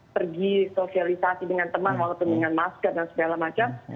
pergi sosialisasi dengan teman walaupun dengan masker dan segala macam